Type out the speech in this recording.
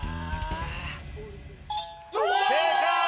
正解！